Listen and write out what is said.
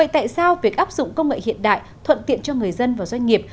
tại sao việc áp dụng công nghệ hiện đại thuận tiện cho người dân và doanh nghiệp